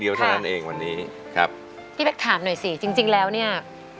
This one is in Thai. วันนี้ครับพี่แป๊กถามหน่อยสิจริงจริงแล้วเนี้ย